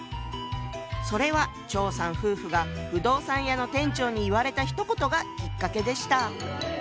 それは張さん夫婦が不動産屋の店長に言われたひと言がきっかけでした。